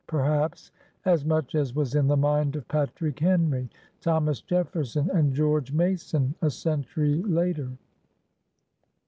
Perhaps as much as was in the mind of Patrick Henry, Thomas Jefferson, and George Mason a century later.